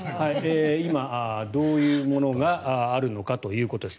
今、どういうものがあるのかということです。